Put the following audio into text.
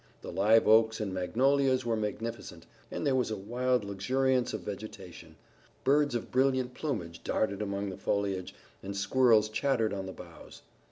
The live oaks and magnolias were magnificent, and there was a wild luxuriance of vegetation. Birds of brilliant plumage darted among the foliage, and squirrels chattered on the boughs.